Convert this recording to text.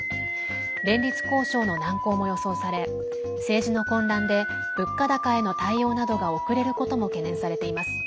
連立交渉の難航も予想され政治の混乱で物価高への対応などが遅れることも懸念されています。